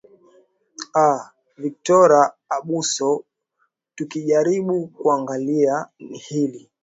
aa victora abuso tukijaribu kuangalia hili